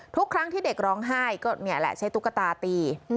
ทุกครั้งที่เด็กร้องไห้ก็นี่แหละใช้ตุ๊กตาตี